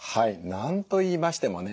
何と言いましてもね